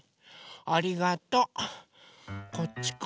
ありがとう。こっちか。